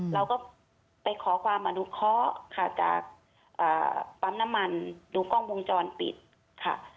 เราก็ไปขอความอนุเคราะห์ค่ะจากปั๊มน้ำมันดูกล้องวงจรปิดค่ะ